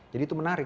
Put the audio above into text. jadi itu menarik